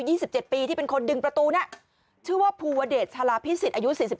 ี่สิบเจ็ดปีที่เป็นคนดึงประตูน่ะชื่อว่าภูวเดชชาลาพิสิทธิอายุสี่สิบ